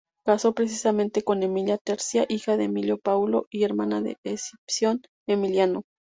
Casó precisamente con Emilia Tercia, hija de Emilio Paulo y hermana de Escipión Emiliano.